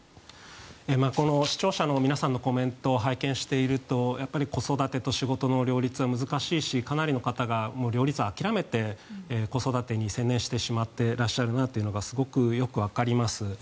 視聴者の皆さんのコメントを拝見していると子育てと仕事の両立は難しいしかなりの方が両立を諦めて子育てに専念していらっしゃるなというのがすごくよくわかります。